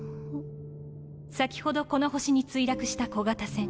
先ほどこの星に墜落した小型船。